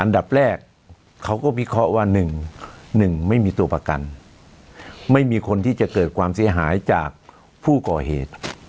อันดับแรกเขาก็วิเคราะห์ว่า๑๑ไม่มีตัวประกันไม่มีคนที่จะเกิดความเสียหายจากผู้ก่อเหตุ